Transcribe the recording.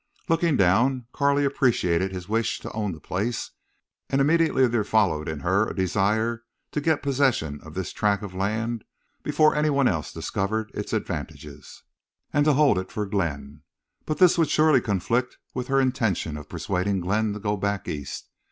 Looking down, Carley appreciated his wish to own the place; and immediately there followed in her a desire to get possession of this tract of land before anyone else discovered its advantages, and to hold it for Glenn. But this would surely conflict with her intention of persuading Glenn to go back East.